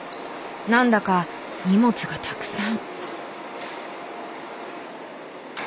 何だか荷物がたくさん。